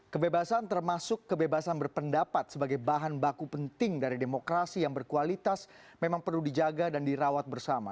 kebebasan termasuk kebebasan berpendapat sebagai bahan baku penting dari demokrasi yang berkualitas memang perlu dijaga dan dirawat bersama